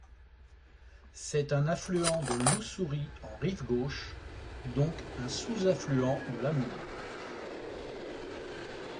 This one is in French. C'est un affluent de l'Oussouri en rive gauche, donc un sous-affluent de l'Amour.